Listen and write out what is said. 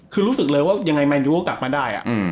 คือรู้สึกเลยว่ายังไงแมนยูก็กลับมาได้